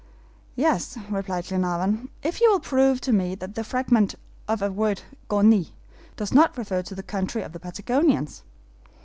"Yes," replied Glenarvan, "if you will prove to me that the fragment of a word GONIE, does not refer to the country of the Patagonians."